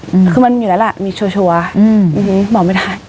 อืมคือมันอยู่แล้วแหละมีเชิญเชิญอืมอืมบอกไม่ได้